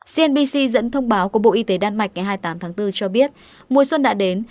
cnbc dẫn thông báo của bộ y tế đan mạch ngày hai mươi tám tháng bốn cho biết mùa xuân đã đến